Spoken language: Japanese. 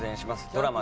ドラマ